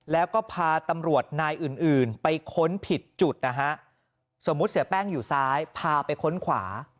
แล้วก็พาตำรวจนายอื่นไปค้นผิดจุดนะฮะสมมุติเสียแป้งอยู่ซ้ายพาไปค้นขวา